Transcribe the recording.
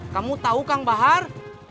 kamu tahu kang bahar